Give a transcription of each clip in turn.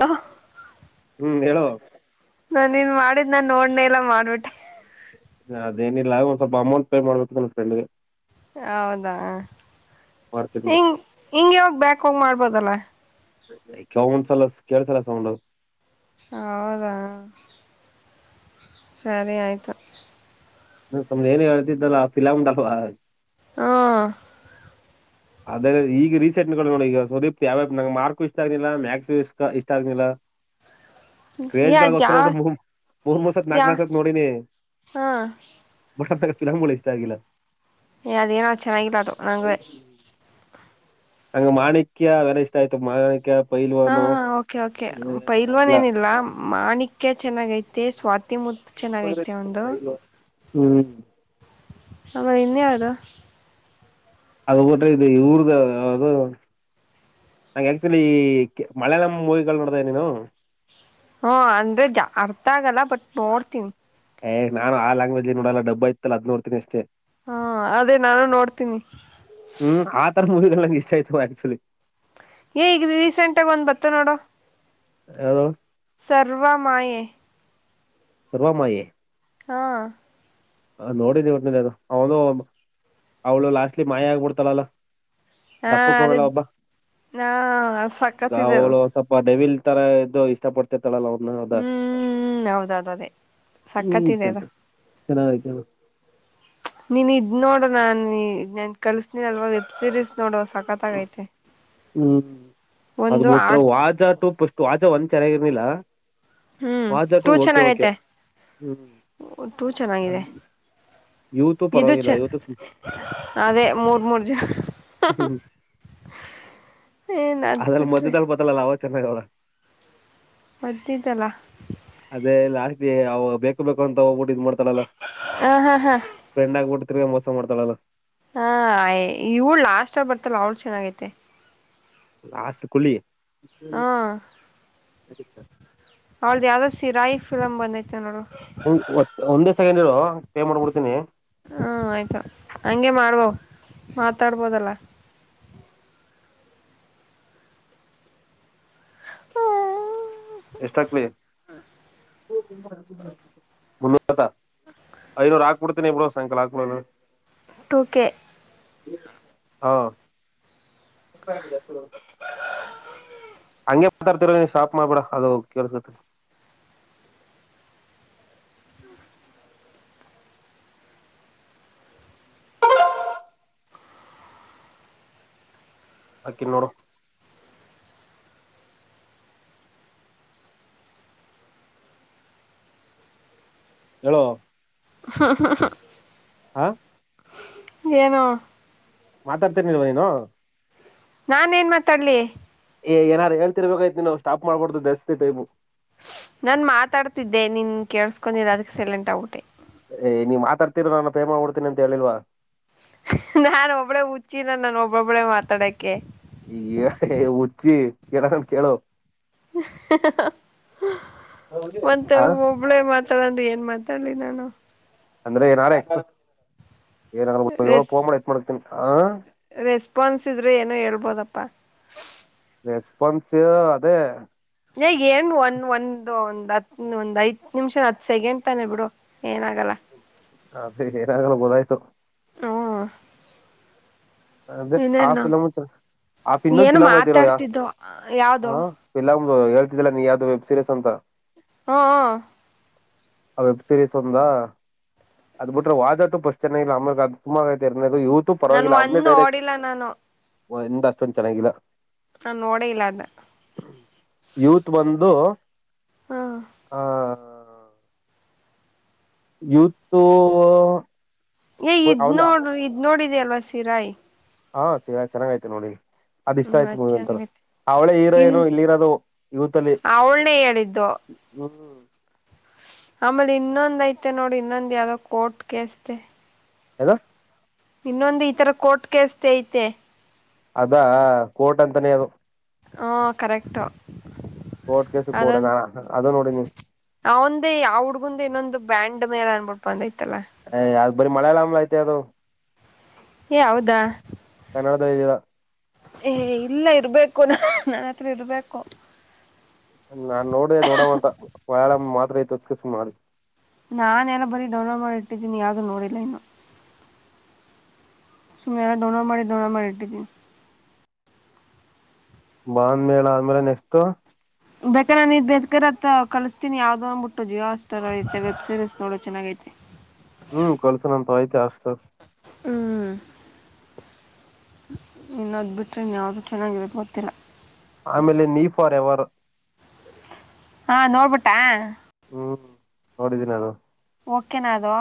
ವಾ. ಹ್ಮ್ ಹೇಳು. ನಾಿನ್ ಮಾಡಿದ್ ನಾನ್ ನೋಡ್ನೆ ಎಲ್ಲಾ ಮಾಡ್ಬಿಟ್ಟೆ. ಅದೇನಿಲ್ಲ ಹಾಗ ಒಂದ್ ಸ್ವಲ್ಪ ಅಮೌಂಟ್ ಪೇ ಮಾಡ್ಬೇಕಲ್ಲ ಫ್ರೆಂಡ್ಗೆ. ಹೌದಾ ಮಾಡ್ತೀನಿ ಹಿಂಗ ಹಿಂಗಗೆ ಯಾವಾಗ ಬ್ಯಾಕ್ ಹೋಗ ಮಾಡ್ಬೋದಲ್ಲ. ಚೌಂದ್ ಸಲ ಕೇಳಸಲ ಸ ಹೌದಾ? ಸರಿ ಆಯ್ತಾ? ನ ಸ್ ಏನ್ ಹೇಳ್ತಿದ್ದಲ್ಲಫಿಲಾ--ಲ್ ಹಾ. ಅದೇ ಈಗ ರೀಸೆಂಟ್ ನೋ ನೋಡಿ ಈಗ ಸುದೀಪ್ ಯಾವ್ಯ ನ್ ಮಾರ್ಕು ಇಷ್ಟ ಆಗ್ನಿಲ್ಲ ಮ್ಯಾಕ್ಸ್ು ಇಷ್ಟ ಇಷ್ಟ ಆಗ್ನಿಲ್ಲ. ಹ. ಕ್ರೇಜ್ಗಳಗೋಸ್ಕರ ನ ಮೂರ್ ಮೂರ್ ಸತ್ ಯಾ ನಾಲ್ಕಕ್ ನ ಸತ್ ನೋಡಿನಿ. ಹಾ. ಚುಲಂಗಗಳು ಇಷ್ಟ ಆಗಿಲ್ಲ. ಏ ಅದ ಏನ ಚೆನ್ನಾಗಿಲಾದ ನಂಗ. ಹಂಗ ಮಾಣಿಕ್ಯ ಎಲ್ಲ ಇಷ್ಟ ಆಯ್ತು ಮಾಣಿಕ್ಯ. ಹಾ ಪೈಲ್ವಾನು ಓಕೆ ಓಕೆ ಪೈಲ್ವನ್ ಅವೆಲ್ಲ ಏನಿಲ್ಲ ಮಾಣಿಕ್ಯ. ಚೆನ್ನಾಗ ಐತೆ ಸ್ವಾತಿ ಮು. ಹ್ಮ್. ಹ ಮ ಇನ್ನ ಆಡ ಅದುಬಟ್ಟ ಇದು ಇವರುದ ಯದು ನಂ ಆಕ್ಚುಲಿ ಮಲಯಳಂ ಮೂವಿಗಳು ನೋಡ್ದ ನೀನು. ಹಾ ಅಂದ್ರೆ ಜ ಅರ್ಥ ಆಗಲ್ಲ ಬಟ್ ನೋಡ್ತೀನಿ. ನಾನು ಆಲ್ಗ್ವಜ್ ನೋಲ್ಲ ಡಬ್ಬ ಇತ್ತಲ್ಲದ್ಡ್ನ ಅಷ್ಟೇ ಹಾ ಅದೇ ನಾನು ನೋಡ್ತೀನಿ ಹ್ಮ್ ಆ ತರ ಮೂವಗಳ. ನಿಶಚಹಿತಕ್ಚುಲಿ ಏ ಈಗ ರೀಸೆಂಟ್ಗ ಒಂದ್ ಬತ್ತ ನೋಡೋ! ಯಾರು? ಸರ್ವಮಯ! ಸರ್ವ ಮಾಯ. ಹಾ. ನೋಡಿದಿ ಇನ ಅದು ಅವನು ಅವಳು ಲಾಸ್ಟ್ಲಿ ಮಾಯ ಆಗ್ಬಿಡ್ತಳಲ್ಲ. ಹಾ ಪ್ಪು ಅದೇ ಕಲ್ಲ ಒಬ್ಬ ಹಾ ಸಕ್ಕತ್ತಿದೆ ಅದು ಗಾವಳ ಸ್ವಪ ಡವಿಲ್. ತರ ಇದು ಇಷ್ಟ ಪಡ್ತ. ಳಲ್ಲ ಅವ್ರನ್ನ ಅದ ಹ್ಮ್ ಹೌದೌದು ಅದೇ ಹ್ಮ ಸಕ್ಕತ್ತಿದೆ ಚನ. ಅದು ಚೆನ್ನತ ನೀನ್ ಇದ್ ನೋಡ ನಾನನ್ ನನ್ ಕಳಸನೀನ ಅಲ್ವಾ ವೆಬ್ ಸೀರೀಸ್. ನೋಡುವ ಸಕತ್ಾಗೈತೆ. ಹ್ಮ್ ಅದ್ಬಟ್ರ ವಾಜಾ ಟೂಪ್ಸ್ಟ್ ವಾಜಾ ಒಂದ್ ಚೆನ್ನಾಗಿನಿಲ್ಲ. ಹ್ಮ್ ವಜಾಟು ಟೂ ಓಕೆ ಓಕೆ ಚೆನ್ನಾಗೈತೆ ಹ್ಮ್. ಚೆನ್ನಾಗಿದೆ. ಅದ್ ಇವತ್ತು ಇದು ಚ ಪರವಾಗಿಲ್ಲ ಇವತ್ತು ಅದೇ ಮೂರ್ ಮೂರ್ ಜ ಹ್ಮ್. ಏನ್ ಅದ್ ಅದಲ್ಲ ಬಿಟ್ರಿ ಮಧ್ಯದಾಲ ಬದಲ್ಲ ಲಾವ ಚೆನ್ನ ರ ಮ್ದಿದಲ ಅದೇ ಲಾಸ್ಟ್ ಬೇಕು ಬೇಕು ಅಂತ ಹೋಗ್ಬಿಟ್ಟು ಇದ್ ಮಾಡ್ತಳಲ್ಲ ಹ ಹಾ ಹಾ ಫ್ರೆಂಡ್ ಆಗ್ಬಿಟ್ಟ ಮೋಸ ಮಾಡ್ತಾಳಲ್ಲ ಹಾಯ ಇವಳ ಲಾಸ್ ಬರ್ತಲ್ಲ ಅವಳ ಚೆನ್ನಾಗೈತೆ ಲಾಸಕಳಿ ಹಾ ಅವಳ್ದ ಯಾವ್ದೋ ಸಿರಾಯಿ ಫಿಲಮ್ ಬಂದ ದೖತೆ ನೋಡು ಹಂಗೆ ಒಂದೇ ಸೆಕೆಂಡ್ ಇರ ಪೇ ಮಾಡ್ಬಿಡ್ತೀನಿ ಹಾ ಆಯ್ತು ಹಂಗೆ ಮಾಡ್ಬೋ ಮಾತಾಡ್ಬೋದಲ್ಲ ಎಷ್ಟಕ್ಲಿ ಹತಾ ಐನೂರು ಹಾಕ ಕೊಡ್ತೇನ ಇಬ್ಡ ಸಂಂಕಾಲ ಆಕಡ ಟಕೆ ಹಾ ಹಂಗೆ ಮಾತಾಡ್ತಿರ ನೀ ಶಾಪ್ ಮಾಡ್ಬಿಡ ಅದು ಕೇಳ್ಸಕ ಹಕಿನ್ನೋಡ ಹೇಳಲೋ ಹಾ ಹಾ ಹಾ ಹಾ ನು ಮಾತಾಡ್ತರ್ನಿಲ್ವ ನೀನು ನಾನ್ ಏನ್ ಮಾತಾಡ್ಲಿ ಏನಾರು ಹೇಳ್ತಿರ್ಬೇಕೈತಿ ನಾವುಟಾಪ್ ಮಾಡಕಡೋದು ದಧರ್ತೈತೆ ಇವು ನನ್ ಮಾತಾಡ್ತಿದ್ದೆ ನೀನ್ ಕೇೇಳಸ್ಕೊಂಡಿದೆ ಅದಕ್ಕೆ ಸೈಲೆಂಟ್ ಗಟೆ ಏ ನೀವ್ ಮಾತಾಡ್ತೀರ ನಾನು ಪ್ರೇಮ ಹಡ್ತೀನಿ ಅಂತ ಹೇಳಿಲ್ವಾ ನಾನ್ ಒಬ್ಬಳೆ ಹುಚ್ಚಿನ ನಾನು ಒಬ್ಬೊಬ್ಬಳೆ ಮಾತಾಡಕೆ ಹಚ್ಚಿ ಕೆೇಳ ಕೇಳೋ ಮತ್ತೆ ಹ ಒಬ್ಬಳೇ ಮಾತಾಡಂದ ಏನ್ ಮಾತ ಲಿ ನಾನು ಅಂದ್ರೆ ನಾರೆೆ ರೆಸ್ ರೆಸ್ಪಾನ್ಸ್ ಇದ್ರೆ ಏನ ಹೇಳ್ಬೋದಪ್ಪ ಪ್ಪಾ ರೆಸ್ಪೋನ್ಸ ಅದೇ ಹಗ್ ಏನ್ ಒಂದ ಒಂದ ಒಂದ್ ಹತ್ ಒಂದ್ ಐದ ನಿಮಿಷ ಹತ್ ಸೆಕೆಂಡ್ ತಾನೆ ಬಿಡು ಏನಾಗಲ್ಲ ಅದೆ ಏನಾಗಲ್ಲ ಗೋದಾಯ್ತು ಹ್ಮ ಅದೆ ಇನ್ನೇನು ಆಫಲಮ್ ಆ ಇನ್ನೊಂದು್ ಏನು ಫಿಲಮ್ ಐತಿರ ಯ ಮಾತಾಡ್ತಿದ್ದು ಯಾವ್ದು ಹೇಳ್ತಿದಲ್ಲಾ ನೀ ಯಾವ್ದ ವೆಬ್ ಸೀರೀಸ್ ಅಂತ ಹ ಆ ವೆಬ್ ಸೀರೀಸ್ ಒಂದಾ ಅದ ಬಿಟ್ರೆ ವಾಜಟು ಪಶ್ ಚನಾಗಿಲ್ಲ ಆಮೇಲೆ ಅದು ತುಂಬ ಐ ಇದು ಇವತ್ತು ಪರವಾಗಿಲ್ಲ ಅವ್ ಇ ಓಡಿಲ್ಲ ನಾನು ಇಂದ ಅಷ್ಟೊಂದು ಚೆನ್ನಾಗಿಲ್ಲ ನಾ ನೋಡ ಇಲ್ಲ ಅದ ಯೂತ್ ಬಂದು ಹ್ಮ ಆ ಯೂಥ ತ ಏ ಇದ್ ನೋಡ ಇದ್ ನೋಡಿದ ಅಲ್ವಾ ಸೀರಾಯ ಹಾ ಸಿ ಚೆನ್ನಾಗಯ್ತು ನೋಡಿ ಅದ್ ಇಷ್ಟ ಹ್ಮ್ ಆಯ್ತು ಮುಗಂತ ಚೆನ್ನಾಗೈತೆ ಅವಳೇ ಹೀರೋ ಇನ್ ಏರೋ ಇಲ್ಲಿ ಇರೋದು ಯವತ್ಲ್ಲಿ ಅವಳನೇ ಹೇಳಿದ್ದು ಹ್ಮ್ ಆಮೇಲೆ ಇನ್ನೊಂದ್ ಐತೆ ನೋಡ್ರಿ ಇನ್ನೊಂದ್ ಯಾವ್ದೋ ಕೋರ್ಟ್ ಕಸ್ ಹದ ಇನ್ನೊಂದು ಈ ತರ ಕೋರ್ಟ್ ಕಸ್ ಐತೆ ಅದಾ ಕೋಟ್ ಅಂತಾನೇ ಅದು ಹಾ ಕರೆಕ್ಟಾ ಕೋರ್ಟ್ ಕೇಸು ಅದ ಕೋರ್ಟ್ ಅದು ನೋಡಿನಿ ಅವಂದೇ ಯಾವ ಹುಡ್ಗಂದ ಇನ್ನೊಂದು ಬ್ಯಾಂಡ್ ಮೇಲೆ ಅನ್ಬುಡ್ಾ ಯಾವ್ದ ಬರಿೀ ಮಳೆ ಎಲ್ಲಾಮ್ಲ ಐತೆ ಅದು ಏ ಹೌದಾ ನದೀರಾ ಏ ಇಲ್ಲ ಇರ್ಬೇಕು ನನ್ನ ಹತ್ರ ಇರ್ಬೇಕು ನಾನ್ ನೋಡ್ದ ನೋಡವ ಅಂತ ವಯಳ ಮಾತ್ರ ಐತಕಸ ಮಾಡಿ ನಾನೆಲ್ಲ ಬರೀ ಡೌನ್ಲೋಡ್ ಮಾಡಿ ಇಟ್ಟಿದ್ದೀನಿ ಯಾಾವ್ದೂ ನೋಡಿಲ್ಲ ಇನ್ನು ಸುಮಿಯಾ ಡೋನ ಮಾಡ ದೊನ ಮಾಡಡಿಟಿದ್ದ ಬಾಂದ್ ಮೇೇಳ ಆದ್ಮೇಲೆ ನೆಕ್ಸ್ಟ್ ಬೇಕ ನಾನ ಇದ್ ಬೇಕರ್ತ್ತ ಕಿಸಸ್ತೀಿ ಯಾವ್ದೋಂದ್ಬ ಬಿಟ್ಟು ಜಿಯೋ ಅಸ್ಐತೆ ವೆಬ್ ಸೀರಿಸೀ ನೋ ಚೆಾಗೈ ಹೂ ಕಳಿಸು ನನ್ನತ್ರ ಆಯಿತೇ [unintelligible] ಇನ್ನದ್ ಬಿಟ್ರೆ ಇನ್ಯಾದೂ ಚೆನ್ನಾಗಿರೋದು ಗೊತ್ತಿಲ್ಲ. ಆಮೇಲೆ ನೀ ಫಾರ್ ಎವರ್ ಹಾ ನೋಡ್ಬಿಟ್ಟ ಹ್ಮ್ ನೋಡಿದ್ದೀನಿ ನಾನು ಓಕೆನಾ ಅದುವಾ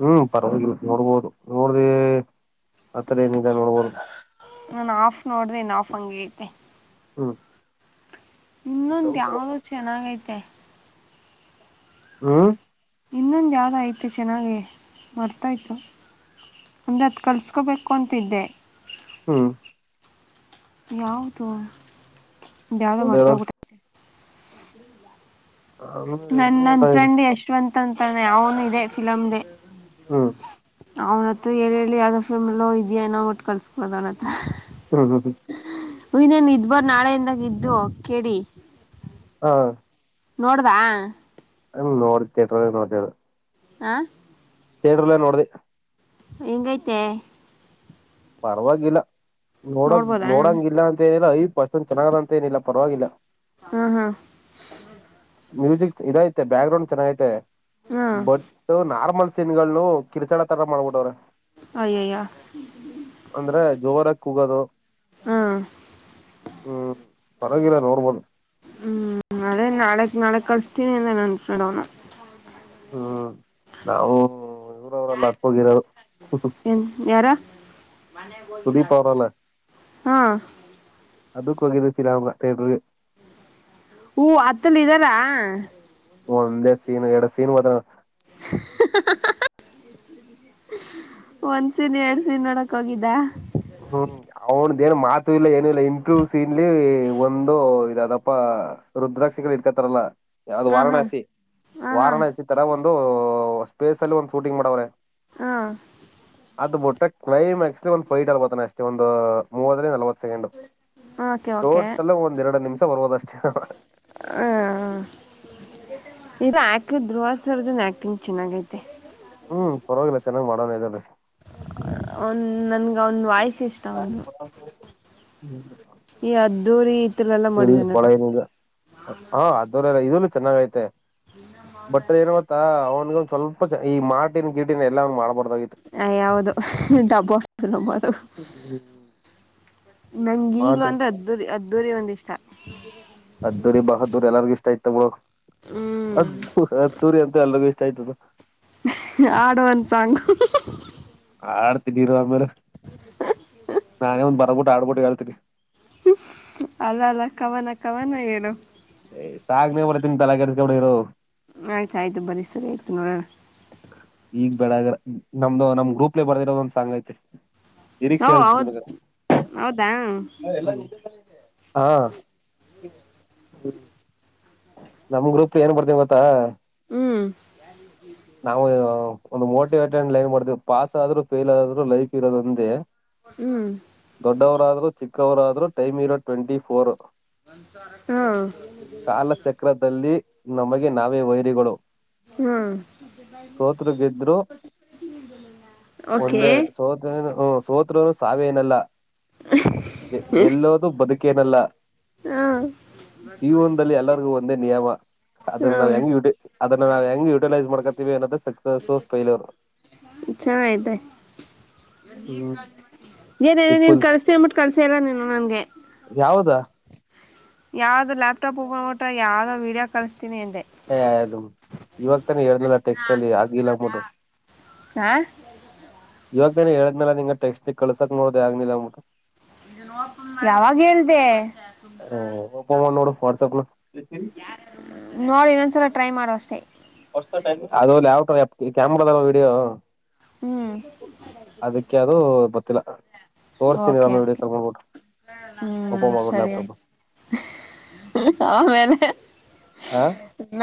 ಹ್ಮ್ ಪರವಾಗಿ ನೋಡ್ಬೋದು ನೋಡ್ದಿ ಅತ್ರೇ ನಿಧಾನೋಳಬರ ಸಂಂಗೇತೆ ಹ್ಮ ಇನ್ನೊಂದು ಯಾವ್ ಚೆನ್ನಾಗೈತೆ. ಹ್ಮ ಇನ್ನೊಂದು ಯಾವುದೋ ಆಯ್ತು ಚೆನ್ನಾಗಿ ಮರೆತು ಹೋಯಿತು. ಅಂದರೆ ಅದು ಕಳ್ಸ್ಕೋಬೇಕು ಅಂತಿದ್ದೆ. ಹ್ಮ್ ಯವುದು ಯಾವ್ದೋ ಒಂದ್ ಏಳತ್ತು ಮರೆತುಬಿಟ್ಟಿದ್ದೆ. ಆಮೇಲೆ ನನ್ ನನ್ ಇನ್ನದ ಫ್ರೆಂಡ್ ಯಶ್ವಂತ್ ಅಂತಾ ಅವನೇ ಅವನು ಇದೆ ಫಿಲಮ್ದ. ಹ್ಮ್ ಅವ್ನ ಹತ್ರ ಹೇಳಿ ಯಾವ್ದ ಫಿಲ್ಮ ಎಲ್ಲ ಇದೆಯೇಏನೋ ಅಂತ ಕಳ್ಸ್ಕೊಳೋದು ಹ್ಮ ಹ್ಮ ಇನೇನು ಇದ್ ಬರ್ ನಾಳೆಯಿಂದಾಗ ಇದ್ದು ಕೆ ಡಿ. ಹಾ ನೋಡ್ದಾ. ಹ ನೋಡಿ ಥಿಯೇಟರಲ್ಲಿ ನೋಡಿದೆ ಆದ ಆ. ಥೇಟ್ರೊಲೆ ನೋಡ್ದಿ. ಈಂಗೈತೆ. ಪರವಾಗಿಲ್ಲ ನೋಡ ನೋಡ್ಬೋದಾ ನೋಡಂಗಲ್ಲ ಅಂತ ಹೇಳಿಲ್ಲ ಹೈಪ್ ಪಸ್ಟೊಂದು ಚೆನ್ನಾಗ. ಏನಿಲ್ಲ ಪರವಾಗಿಲ್ಲ ಹ್ಮ್ ಹ್ಮ್ ಮ್ಯೂಸಿಕ್. ಇದೈತೆ ಬ್ಯಾಕ್ ಗ್ರೌಂಡ್ ಚೆನ್ನಾಗೈತೆ ಹ್ಮ್ ಬಟ್ ನಾರ್ಮಲ್. ನ್ಗಳು ಕಿರ್ಚಾಡೂ ತರ ಮಾಡ್ಬಿಟ್ಟವ್ರೆ. ಅಯ್ಯಯ್ಯ. ಅಂದ್ರೆ ಜೋರಗ ಕೂಗೋದು. ಹ್ಮ್ ಹ್ಮ್ ಪರವಾಗಿಲ್ಲ ನೋಡಬಹುದು. ಹ್ಮ್ ಅದೇ ನಾಳೆ ನಾಳಕ್ ಕಳಿಸಸ್ತೀನಿ ಅಂದ ನನ್ ಫ್ರೆಂಡ್ ಅವ್ನ. ಹ್ಮ್ ನಾವವು ಇವರವರೆಲ್ಲ ಹತ್ತೋಗಿರೋದು. ಹನ್ ಯಾರ. [inaudible] ಸುದೀಪ್ ಅವ್ರಲ್ಲ ಹಾ. ಅದಕ್ ಹೋಗಿದ ಫಿಲಂಗ ಥಿಯೇಟರ್ ಗೆ. ಹೂ ಅತ್ತಲ್ಲ ಇದ್ದಾರ. ಒಂದೇ ಸೀನ್ ಎರಡು ಸೀನ್ ಬತನ. ಒಂದ್ಸನ್ ಎರಡ್ ಸೀನ್ ನೋಡಕ್ ಹೋಗಿದ್ದ. ಹ್ಮ್ ಅವನ್ದೇನು ಮಾತು ಇಲ್ಲ ಏನು ಇಲ್ಲ ಇಂಟರ್ವ್ಯೂ ಸೀನ್ಲಿ ಒಂದು ಇದದಪ್ಪ ರುದ್ರಾಕ್ಷ ಇಟ್ಕತಾರಲ್ಲ. ಅದು ಹಾ ಹಾ ವಾರಾಣಸಿ ಹಾ ಹಾ ವಾರಾಣಸಿ ತರ ಒಂದು ಸ್ಪೇಸ್ ಅಲ್ಲಿ ಒಂದು ಶೂಟಿಂಗ್ ಮಾಡವ್ರೆ. ಹಾ. ಅದು ಬಿುಟ್ಟ ಕ್ಲೈಮ್ಯಾಕ್ಸ್ ಒಂದು ಫೈಟ್ ಅಲ್ಬ ಅಷ್ಟ ಒಂದು ಮೂವರಿಂದ ನಲ್ವ ಕೆಂಡ್ ಟೋಟಲ್ ಒಂದ ಎರಡು ನಿಮಿಷ ಬದ. ಹು. ಇದು ಆಕ್ಟ್ ಧ್ರುವ ಸರ್ಜನ್ ಆಕ್ಟಿಂಗ್ ಚೆನ್ನಾಗೈತೆ. ಹ್ಮ್, ಪರವಾಗಿಲ್ಲ ಚೆನ್ನಾಗಿ ಮಾಡೋಣ ಇದ್ರಲೆ. ಅವ್ನ ನನ್ಗ ಅವ್ನ ವಾಯ್ಸ. ಪ ಹ್ಮ. ಈ ಅದ್ದೂರಿ ಇತರಲ್ಲ [inaudible] ಇಲ್ಲಿ ಮಾಡಿದನಲ್ಲ ಕೊಳಗನಿಲ್ಲ ಹ ಅದವರೆಲ್ಲ ಇದ ಚೆನ್ನಾಗ ಐತೆ ಬಟ್ ಏನ್ ಗತ್ತಾ ಅವನ್ಗ. ಸ್ವಲ್ಪ ಈ ಮಾರ್ಟಿನ್ ಗ್ರಿಟಿನ್ ಎಲ್ಲ ಮಾಡ್ಬಹು. ಯಾವುದು ಡಬ್ಬ ಫಿಲ್ಮ ಅದು. ಹ್ಮ್ಮ. [inaudible] ನಂಗ ಈಗ್ಲೂ ಅಂದ್ರೆ ಅದ್ದೂರಿ- ಅದ್ದೂರಿ ಅಂದ್ರಿಷ್ಟ. ಅದ್ದೂರಿ, ಬಹದ್ದೂರಿ ಎಲ್ಲರಿಗೂ ಇಷ್ಟ ಆಯತ ಮ ಹ್ಮ್ ಅದ್ದ, ಅದ್ದೂರಿ ಅಂತ ಎಲ್ಲರಿಗೂ ಇಷ್ಟ. ಗ ಆಯ್ತದು [inaudible] ಹಾಡುಒಂದ ಸಾಂಗು. ಆಡ್ತೀನಿ ಇರು ಆಮೇಲೆ ನಾನೇ ಒಂದ್ ಬರ್ಬಿಟ್ಟು ಆಡ್ಬಿಟ್ಟು ಹೇಳ್ತೀನಿ. ಅಲ್ಲ -ಅಲ್ಲ ಕವನ- ಕವನ ಹೇಳು. ಏ ಸಾಂಗ್ ನೇ ಬರಿತಿನಿ ತಲೆಕೆಡ್ಸಗಬೇಡಇರು. ಆಯ್ತು, ಆಯ್ತು ಬರಿ ಸರಿ ಆಯ್ತು ನೋಡೋಣ. ಈಗ್ ಬೇಡ ನಮ್ದು, ನಮ್ ಗ್ರೂಪ್ಗೆ ಬರ್ದಿರೋದ ಒಂದ ಸಾಂಗ್ ಐತೆ. ಲಿರೀಕ್ಷ ಓ ಹೇಳತಿನಿ ಹೌದು ಬೆಕಾರೆ. ಹೌದಾ ಹಾ, ಹ್ಮ ನಮ್ಗ್ರೂಪ್ ಏನ್ ಬರದಿವಿವ ಗೊತ್ತಾ ಹ್ಮ್ ನಾವು ಒಂದು ಮೋಟಿವೇಟ್ ಲೈನ್ ಬರದೀವಿ ಪಾಸ್ ಆದ್ರು, ಫೇಲ್ ಆದ್ರು ಲೈಫ ಇರೋದಂದೇ. ಹ್ಮ್ ದೊಡ್ಡವರಾದ್ರು, ಚಿಕ್ಕವರಾದ್ರು ಟೈಮ್ ಇರೋದು ಟ್ವೆಂಟಿ ಫೋರ್ ಹಾ, - ಕಾಲಚಕ್ರದಲ್ಲಿ ನಮಗೆ ನಾವೇ ವೈರಿಗಳು. ಹ್ಮ್, ಸೋತ್ರು ಗೆದ್ರು ಓಕೆ, - ಸೋತ್ರುಸಾವೇ ಏನಲ್ಲ, ಗೆಲ್ಲೋದು ಬದುಕೇನಲ್ಲ. - ಹಾ,, - ಎಲ್ಲರಿಗು ಒಂದೇ ನಿಯಮ. ಅದನ್ನ ನಾವ್ ಹೆಂಗ ಯುಟಿಲೈಸ್ ಅದನ್ನ- ನಾವ್ ಹೆಂಗ್ ಯುಟಿಲೈಸ್ ಮಾಡ್ಕತೀವಿ ಅನ್ನೋದ ಸಕ್ಸೋಸ್, ಪೇಲಿವ್ರು. ಚೆನ್ನಾಗಿದೆ. ಹ್ಮ್ ಏನ ಇಟ್ ನೀನ್ ಫುಲ್ ಕಲ್ಸಿಂನ್ಬಿಟ್ಟು ಕಲ್ಸೆಇಲ್ಲ ನೀನು ನನ್ಗೆ. ಯಾವ್ದಾ ಯಾವ್ದ್ ಲ್ಯಾಪ್ಟಾಪ್ ಒಪನ ಮಾಡ್ ಬಿಟ್ಟು ಯಾವ್ದೋ ವಿಡಿಯೋ ಕಳಿಸ್ತೀನಿ ಅಂದೆ. ಹದು ಯುವಕ [inaudible] ಹೇಳಲ್ಲ ಟೆಕ್ಸ್ಟ್ ಅಲ್ಲಿ ಆಗಿಲ್ಲ ಅಂದಬಿಟ್ಟು. ಹಾ ಇವಾಗ ಹೇಳಿದ್ಮನಲ್ಲ ನಿನಗೆಟೆಕ್ಸ್ಟ್ ಕಳಸಕ್ನು ನೋಡದ ಆಗ್ಲಿಲ್ಲಂದಬಿಟ್ಟು. ಯಾವಾಗ ಹೇಳ್ದೆ ಹ ಒಪ್ಪಮ್ಮ ನೋಡ ವಾಟ್ಸಆಪ್ [unintelligible] ನೋಡಿ ಇನ್ನೊಂದ್ಸಲ ಟ್ರೈ ಮಾಡುವ ಅಷ್ಟೇ, - ಅದು ಕ್ಯಾಮ್ರ ವೀಡಿಯೋ ಹ್ಮ್ [unintelligible] ಅದಕ್ಕೆದು ಗೊತ್ತಿಲ್ಲ., ತೋರ್ಸತೀನಿ ಓಕೆ ಓಕೆ ಇರಮ್ಮವಿಡಿಯೋಕಾಲ್ ಮಾಡ್ಬಿಟ್ಟ ಹ್ಮ್ ಓಪೋನ್ ಮಾಡ್ಬಿಟ್ಟು ಸರಿ ಲ್ಯಾಪ್ಟಾಪ್. ಆಯ್ತು ಆಮೇಲೆ ಹಾ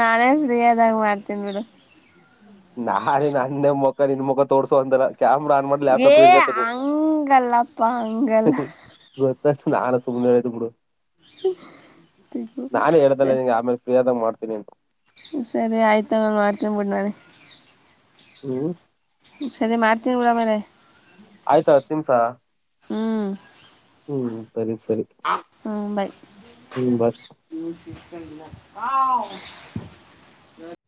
ನಾನೇ [unintelligible] ಪ್ರಿಯಾದಾಗ ಮಾಡ್ತೀನ್ ಬಿಡು. ನಾ, ರೀ ನನ್ನ ಮುಖ ನಿನ್ ಮುಖ ತೋರ್ಸೋ ಅಂತಲ್ಲ., ಕಾಮ ರನ್ ಮಾಡಲಿ ಏ ಪೀಡಿಗೆತ ನೀ ಹಂಗಲ್ಲಪ್ಪ ಹಂಗಲ್ಲ [unintelligible] ನಾನು ಸುಮ್ನೆ ಹೇಳಿದ್ ಬಿಡು ನಾನೇ ಹೇಳ್ದಲ್ಲ ಸರಿ ನಿನಗಆಮೇಲೆ ಫ್ರೀ ಆದಾಗ ಮಾಡ್ತೀನಿ. [inaudible] ಸರಿ ಆಯ್ತ ಮಾಡ್ತೀನ ಬಿಡುನಾನೇ. ಹ್ಮ ಸರಿ ಮಾಡ್ತೀವಿಿ ಬಿಡ ಮೇಲೆ ಆಯ್ತತ್ ನಿಮ್ಸ ಹ್ಮ್, ಸರಿ ಹ್ಮ್, ಬಾಯ್ ಹ್ಮ್ ಬಾಯ್ ಹ್ಮ [inaudible]